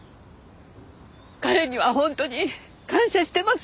彼には本当に感謝してます。